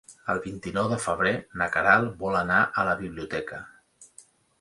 El vint-i-nou de febrer na Queralt vol anar a la biblioteca.